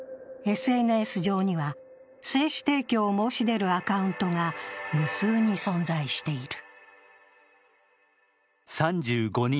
ＳＮＳ上には、精子提供を申し出るアカウントが無数に存在している。